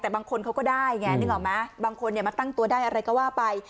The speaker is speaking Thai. แต่บางคนเขาก็ได้ไงนึกออกไหมบางคนมาตั้งตัวได้อะไรก็ว่าไป